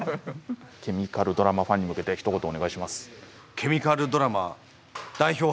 ケミカルドラマファンに向けてひと言お願いします。